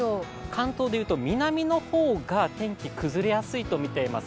関東でいうと南の方が天気崩れやすいとみています。